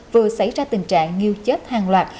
vừa xảy ra tình trạng nghêu chết hàng loạt